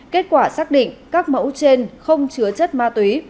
kết quả xác định các mẫu trên không chứa chất ma túy